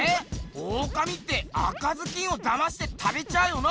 オオカミって赤ずきんをだまして食べちゃうよな？